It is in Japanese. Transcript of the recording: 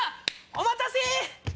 お待たせ！